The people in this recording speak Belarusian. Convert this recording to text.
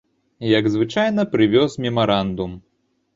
Як звычайна, прывёз мемарандум.